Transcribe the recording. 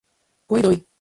Kohei Doi